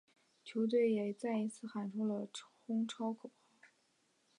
球队也再一次喊出了冲超口号。